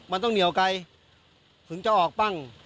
มันต้องเหนียวไกลถึงจะออกปั้ง